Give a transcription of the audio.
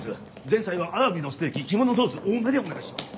前菜はアワビのステーキ肝のソース多めでお願いします。